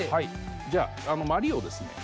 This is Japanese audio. じゃあ鞠をですね